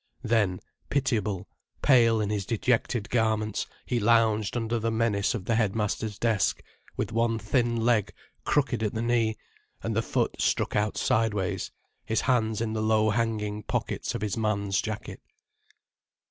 Then, pitiable, pale, in his dejected garments, he lounged under the menace of the headmaster's desk, with one thin leg crooked at the knee and the foot struck out sideways his hands in the low hanging pockets of his man's jacket.